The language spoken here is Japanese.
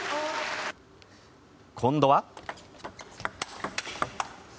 今度は。